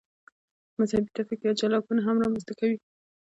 مذهبي تفکیک یا جلاکونه هم رامنځته کوي.